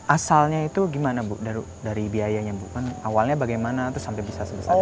asalnya itu gimana bu dari biayanya bu kan awalnya bagaimana terus sampai bisa sebesar itu